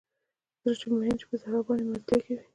زړه چې مئین شي په صحرا باندې مزلې کوي